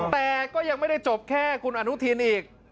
แต่ก็ยังไม่ได้จบแค่คุณอนุทินอีก